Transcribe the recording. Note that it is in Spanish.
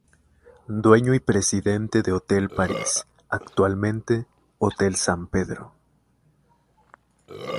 Dueño y Presidente de Hotel Paris, actualmente Hotel San Pedro.